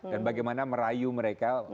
dan bagaimana merayu mereka